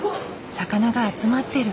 魚が集まってる。